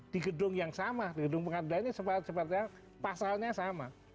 di gedung yang sama di gedung pengadilannya pasalnya sama